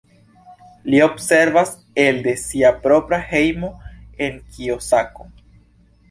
Li observas elde sia propra hejmo en Kijosato.